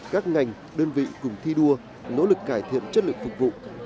các ngành đơn vị cùng thi đua nỗ lực cải thiện chất lượng phục vụ